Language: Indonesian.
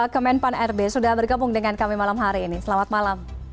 kemenpan rb sudah bergabung dengan kami malam hari ini selamat malam